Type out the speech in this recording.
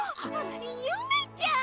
ゆめちゃん！